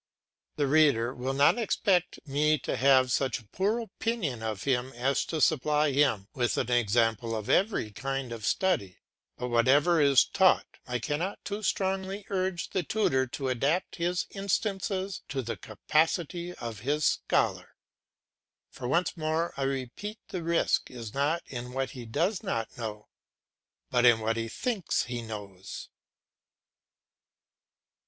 The reader will not expect me to have such a poor opinion of him as to supply him with an example of every kind of study; but, whatever is taught, I cannot too strongly urge the tutor to adapt his instances to the capacity of his scholar; for once more I repeat the risk is not in what he does not know, but in what he thinks he knows.